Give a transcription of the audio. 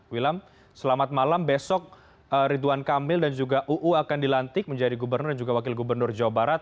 wilam selamat malam besok ridwan kamil dan juga uu akan dilantik menjadi gubernur dan juga wakil gubernur jawa barat